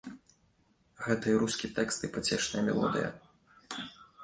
Гэта і рускі тэкст, і пацешная мелодыя.